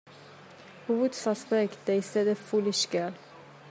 Who would suspect, they said, a foolish girl?